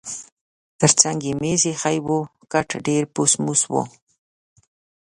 ترڅنګ یې مېز اییښی و، کټ ډېر پوس موس و.